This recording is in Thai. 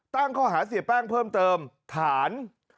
ตั้งข้อหาเสียแป้งเพิ่มเติมฐาน